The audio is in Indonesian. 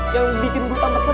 yang bikin gue tambah seru